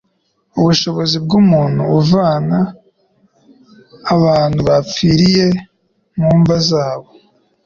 ubushobozi bw'umuntu uvana abantu bapfirye mu mva zabo.